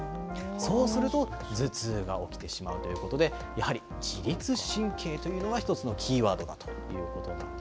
そうすると、頭痛が起きてしまうということで、やはり自律神経というのが一つのキーワードだということなんです。